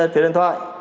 tiền đơn thoại